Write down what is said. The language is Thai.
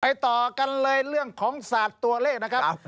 ต่อกันเลยเรื่องของศาสตร์ตัวเลขนะครับ